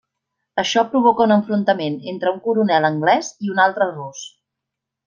Això provoca un enfrontament entre un coronel anglès i un altre rus.